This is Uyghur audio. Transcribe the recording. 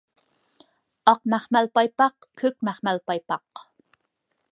ئاق مەخمەل پايپاق، كۆك مەخمەل پايپاق.